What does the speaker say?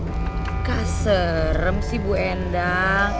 enggak serem sih bu hendang